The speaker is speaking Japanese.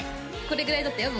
これぐらいだったよ